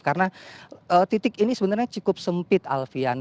karena titik ini sebenarnya cukup sempit alfian